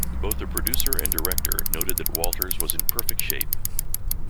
Both the producer and director noted that Walters was in perfect shape.